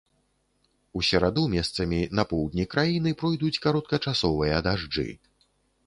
У сераду месцамі на поўдні краіны пройдуць кароткачасовыя дажджы.